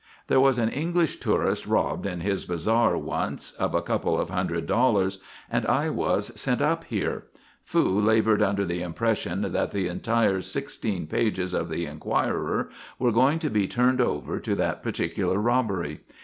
"There was an English tourist robbed in his bazaar once of a couple of hundred dollars and I was sent up here. Fu laboured under the impression that the entire sixteen pages of the Enquirer were going to be turned over to that particular robbery.